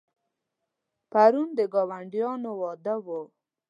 پرون د ګاونډیانو واده و.